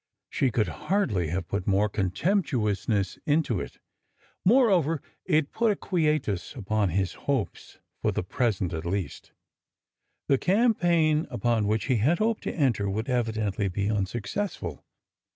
She could hardly have put more con temptuousness into it. Moreover, it put a quietus upon his hopes, for the present at least. The campaign upon which he had hoped to enter would evidently be unsuc cessful.